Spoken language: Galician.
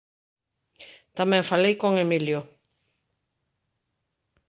Tamén falei con Emilio.